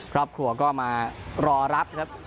ครอบครัวก็มารอรับครับ